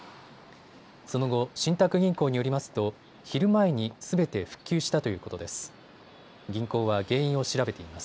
その後、信託銀行によりますと昼前にすべて復旧したということです。